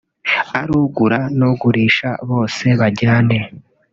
ari ugura n’ugurisha bose bajyane’